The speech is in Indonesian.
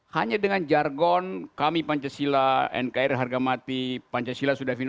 hanya dengan jargon kami pancasila nkri harga mati pancasila sudah final